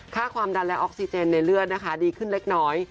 ความดันและออกซิเจนในเลือดนะคะดีขึ้นเล็กน้อย